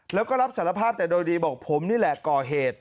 แล้วก็รับสารภาพแต่โดยดีบอกผมนี่แหละก่อเหตุ